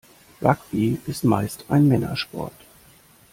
Rugby ist meist ein Männersport.